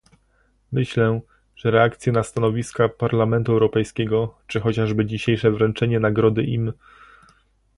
Myślę, że reakcje na stanowiska Parlamentu Europejskiego, czy chociażby dzisiejsze wręczenie Nagrody im